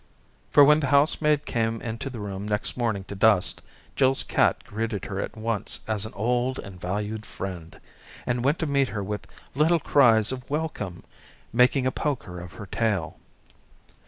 For when the housemaid came into the room next morning to dust, Jill's cat greeted her at once as an old and valued friend, and went to meet her with little cries of welcome, making a poker of her tail.